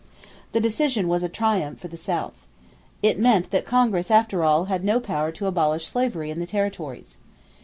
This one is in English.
The decision was a triumph for the South. It meant that Congress after all had no power to abolish slavery in the territories.